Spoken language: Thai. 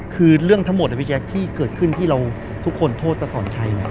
คือเรื่องทั้งหมดนะพี่แจ๊คที่เกิดขึ้นที่เราทุกคนโทษตาสอนชัย